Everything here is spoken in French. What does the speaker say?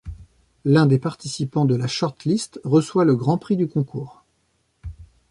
L'un des participants de la short list reçoit le Grand prix du concours.